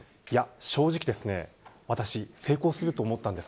正直、私成功すると思ったんです。